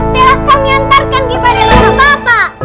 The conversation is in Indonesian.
telah kami hantarkan kepada bapak